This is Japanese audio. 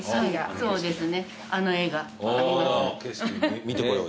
そうですね